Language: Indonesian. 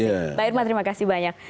mbak irma terima kasih banyak